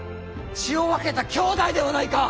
血を分けた兄弟ではないか！